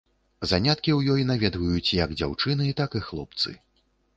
Заняткі ў ёй наведваюць як дзяўчыны, так і хлопцы.